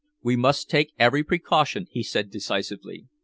We must take every precaution," he said decisively.